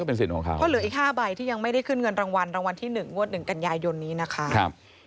เพราะเหลืออีก๕ใบที่ยังไม่ได้ขึ้นเงินรางวัลรางวัลที่๑งวด๑กันยายนี้นะคะ